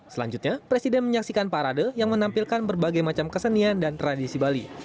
selanjutnya presiden menyaksikan parade yang menampilkan berbagai macam kesenian dan tradisi bali